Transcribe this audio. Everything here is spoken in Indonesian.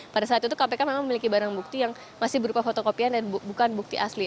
pada saat itu kpk memang memiliki barang bukti yang masih berupa fotokopian dan bukan bukti asli